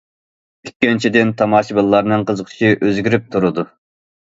ئىككىنچىدىن، تاماشىبىنلارنىڭ قىزىقىشى ئۆزگىرىپ تۇرىدۇ.